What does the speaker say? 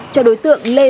cho đối tượng và tổ chức